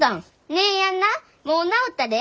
姉やんなもう治ったで。